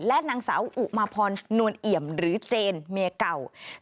และนางสาวอุมาพรนวลเอี่ยมหรือเจนเมียเก่า